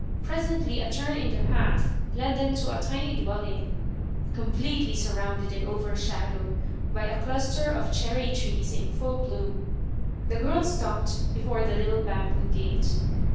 Presently a turn in the path led them to a tiny dwelling, completely surrounded and over shadowed by a cluster of cherry trees in full bloom. The girl stopped before the little bamboo gate.